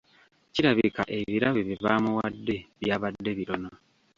Kirabika ebirabo bye baamuwadde byabadde bitono.